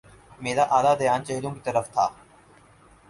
میرا آدھا دھیان چہروں کی طرف تھا۔